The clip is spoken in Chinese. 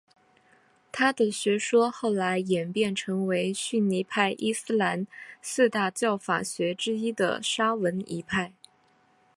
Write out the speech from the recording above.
他的学说后来演变成为逊尼派伊斯兰四大教法学之一的沙斐仪派。